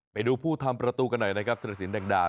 ไปดูผู้ทำประตูกันหน่อยนะครับธิรสินแดงดา